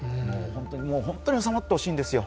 本当に収まってほしいんですよ。